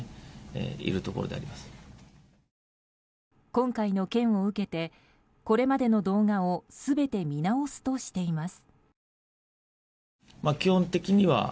今回の件を受けてこれまでの動画を全て見直すとしています。